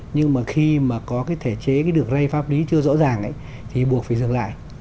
nhưng mà khi mà có cái thể chế cái được rây pháp lý chưa rõ ràng ấy thì buộc phải dừng lại